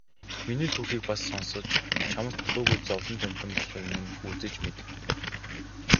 Миний түүхийг бас сонсож чамаас дутуугүй зовлонт амьтан болохыг минь үзэж мэд.